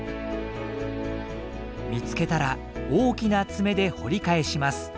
見つけたら大きな爪で掘り返します。